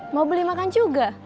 mau beli makan juga